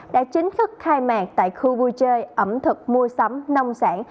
đã chính thức khai mạc tại khu vui chơi ẩm thực mua sắm nông sản